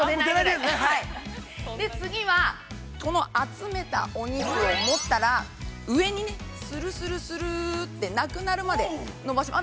◆次は、この集めたお肉を持ったら、上にするするするって、なくなるまで伸ばします。